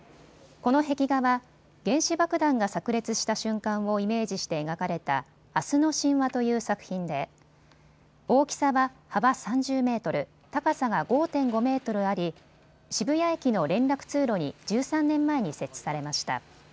この壁画は原子爆弾がさく裂した瞬間をイメージして描かれた明日の神話という作品で大きさは幅３０メートル、高さが５．５メートルあり渋谷駅の連絡通路に１３年前に設置されました。